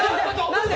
何で？